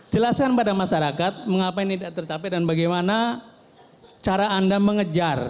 jelaskan pada masyarakat mengapa ini tidak tercapai dan bagaimana cara anda mengejar